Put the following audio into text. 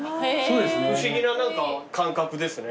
不思議な感覚ですね。